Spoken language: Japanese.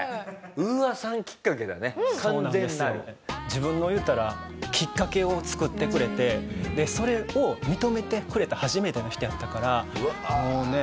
自分の言うたらきっかけを作ってくれてそれを認めてくれた初めての人やったからもうね。